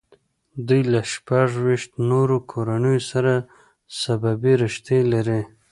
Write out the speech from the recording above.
دوی له شپږ ویشت نورو کورنیو سره سببي رشتې لري.